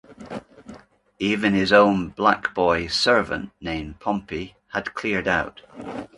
Even his own "blackboy" servant named Pompey had cleared out.